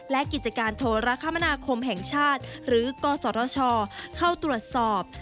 และกิจการโทรคมนาคมแห่งชาติหรือกศชเข้าตรวจสอบ